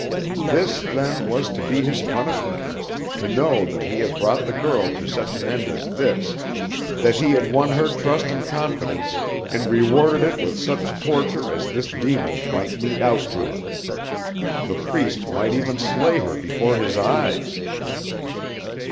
This, then, was to be his punishment to know that he had brought the girl to such an end as this that he had won her trust and confidence and rewarded it with such torture as this demon might mete out to her. The Priest might even slay her before his eyes.